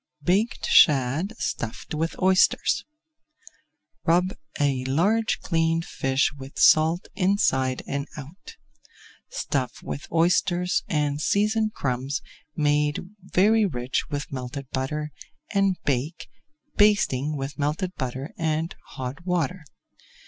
BAKED SHAD STUFFED WITH OYSTERS Rub a large cleaned fish with salt inside and out. Stuff with oysters and seasoned crumbs made very rich with melted butter, and bake, [Page 332] basting with melted butter and hot water.